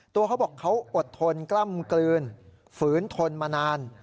เขาบอกเขาอดทนกล้ำกลืนฝืนทนมานาน